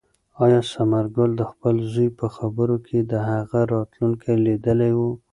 آیا ثمرګل د خپل زوی په خبرو کې د هغه راتلونکی لیدلی و؟